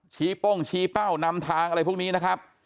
โป้งชี้เป้านำทางอะไรพวกนี้นะครับ